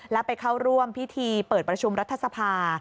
และไปเข้าร่วมพิธีเปิดประชุมรัฐสภา